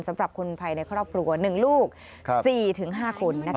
สำหรับคนภายในครอบครัว๑ลูก๔๕คน